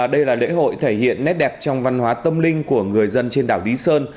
đây là lễ hội thể hiện nét đẹp trong văn hóa tâm linh của người dân trên đảo lý sơn